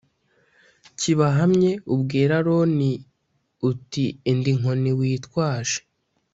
kibahamye ubwire Aroni uti Enda inkoni witwaje